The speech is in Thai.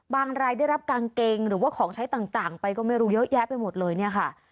รายได้รับกางเกงหรือว่าของใช้ต่างไปก็ไม่รู้เยอะแยะไปหมดเลยเนี่ยค่ะ